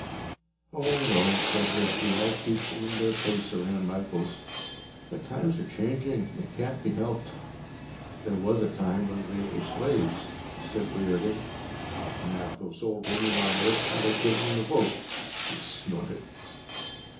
"Oh, no," said Wisby. "I keep them in their place around my post. But times are changing. It can't be helped." "There was a time when they were slaves," said Riordan. "Now those old women on Earth want to give 'em the vote." He snorted.